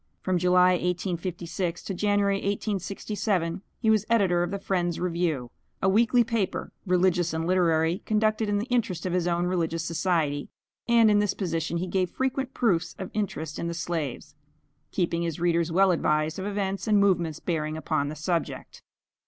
From July, 1856 to January, 1867 he was Editor of the "Friends' Review," a weekly paper, religious and literary, conducted in the interest of his own religious society, and in this position he gave frequent proofs of interest in the slave, keeping his readers well advised of events and movements bearing upon the subject.